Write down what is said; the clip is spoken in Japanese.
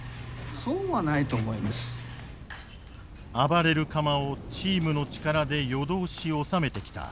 暴れる釜をチームの力で夜通し収めてきた。